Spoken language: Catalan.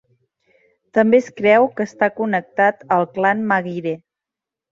També es creu que està connectat al clan Maguire.